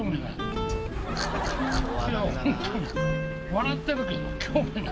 笑ってるけど。